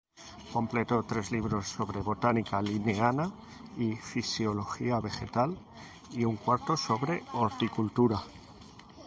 Completó tres libros sobre botánica linneana y fisiología vegetal y un cuarto sobre horticultura.